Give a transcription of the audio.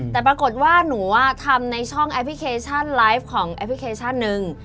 แต่ปรากฏว่าหนูทำในช่องแอปพลิเคชันไลฟ์ของแอปพลิเคชันนึง